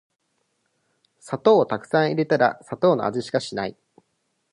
砂糖をたくさん入れたら砂糖の味しかしない